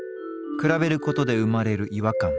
比べることで生まれる違和感。